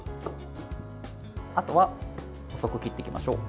あとは細く切っていきましょう。